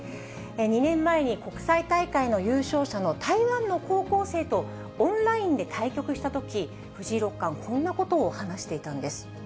２年前に国際大会の優勝者の台湾の高校生とオンラインで対局したとき、藤井六冠、こんなことを話していたんです。